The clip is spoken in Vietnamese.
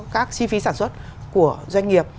các chi phí sản xuất của doanh nghiệp